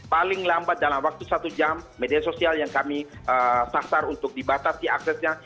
paling lambat dalam waktu satu jam media sosial yang kami sasar untuk dibatasi aksesnya